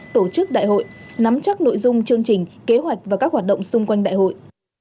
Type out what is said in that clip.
tổ chức đại hội nắm chắc nội dung chương trình kế hoạch và các hoạt động xung quanh đại hội